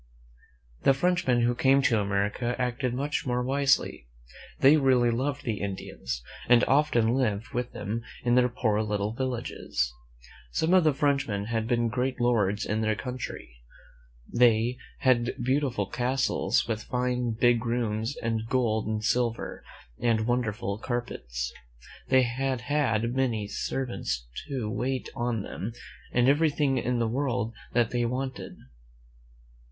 The Frenchmen who came to America acted much more wisely. They really loved the Indians, and often lived with them in their poor little villages. Some of the Frenchmen had been great lords in their own country. They had had beautiful castles, with fine, big rooms, and gold and silver and wonderful carpets. They had had many servants to wait on them, and everything in the world that they wanted.